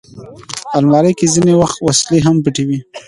الماري کې ځینې وخت وسلې هم پټې وي